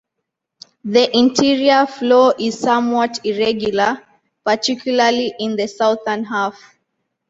The interior floor is somewhat irregular, particularly in the southern half.